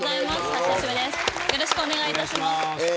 よろしくお願いします。